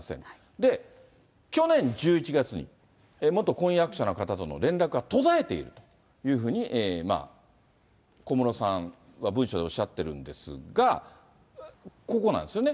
で、去年１１月に、元婚約者の方との連絡が途絶えているというふうに小室さんは文書でおっしゃってるんですが、ここなんですよね。